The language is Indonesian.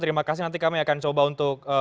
terima kasih nanti kami akan coba untuk